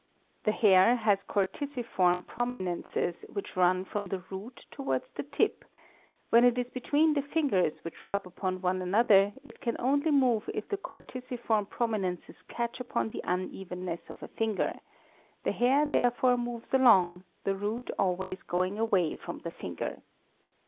The hair has corticiform prominences which run from the root towards the tip (Mig. 6); when it 1s between the fingers which rub upon one another it can only move if the corticiform prominences catch upon the unevennesses of a finger: the hair therefore moves along, the root always going away from the finger.